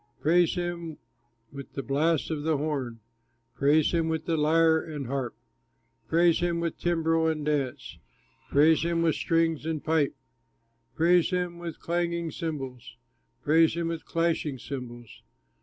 Praise him with the blast of the horn, Praise him with lyre and harp, Praise him with timbrel and dance, Praise him with strings and pipe, Praise him with clanging cymbals, Praise him with clashing cymbals.